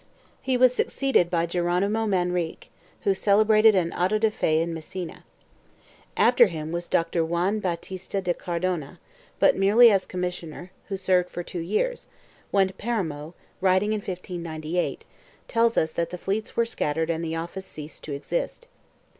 1 He was succeeded by Geronimo Manrique, who cele brated an auto de fe in Messina. After him was Doctor Juan Bautista de Car dona, but merely as commissioner, who served for two years, when Paramo, writing in 1598; tells us that the fleets were scattered and the office ceased to exist.